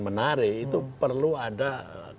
menarik itu perlu ada kerja ekstra